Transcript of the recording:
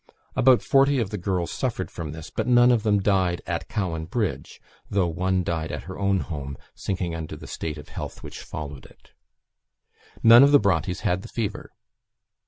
About forty of the girls suffered from this, but none of them died at Cowan Bridge; though one died at her own home, sinking under the state of health which followed it. None of the Brontes had the fever.